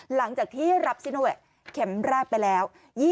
หลังจากที่รับซิโนแวคเข็มแรกไปแล้ว